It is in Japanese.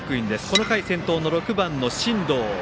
この回、先頭の６番の進藤。